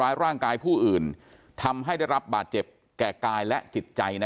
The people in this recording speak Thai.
ร่างกายผู้อื่นทำให้ได้รับบาดเจ็บแก่กายและจิตใจ